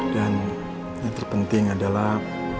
dan yang terpenting adalah